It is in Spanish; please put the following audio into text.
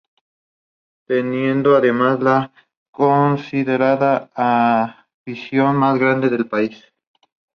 Teniendo además, la considerada afición mas grande del país.